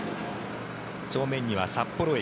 正面には札幌駅。